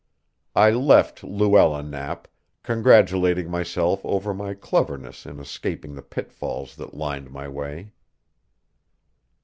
I left Luella Knapp, congratulating myself over my cleverness in escaping the pitfalls that lined my way.